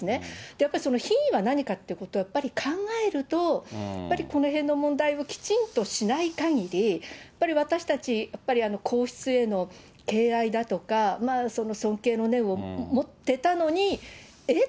やっぱりその品位は何かということを考えると、やっぱりこのへんの問題をきちんとしないかぎり、やっぱり私たち、やっぱり皇室への敬愛だとか、尊敬の念を持ってたのに、えっ？